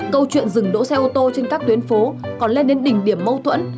câu chuyện dừng đỗ xe ô tô trên các tuyến phố còn lên đến đỉnh điểm mâu thuẫn